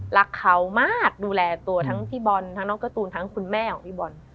รักเขามากดูแลตัวทั้งพี่บอลทั้งน้องการ์ตูนทั้งคุณแม่ของพี่บอล